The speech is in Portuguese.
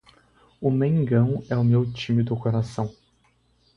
O mengão é meu time do coração